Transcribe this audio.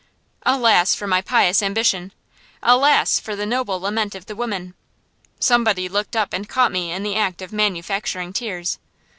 Alas for my pious ambition! alas for the noble lament of the women! Somebody looked up and caught me in the act of manufacturing tears.